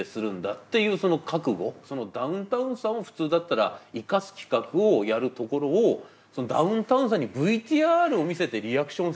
ダウンタウンさんを普通だったら生かす企画をやるところをダウンタウンさんにＶＴＲを見せてリアクションさせるっていう。